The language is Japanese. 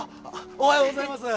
おはようございます！